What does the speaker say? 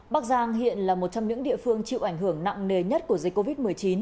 bắc giang hiện là một trong những địa phương chịu ảnh hưởng nặng nề nhất của dịch covid một mươi chín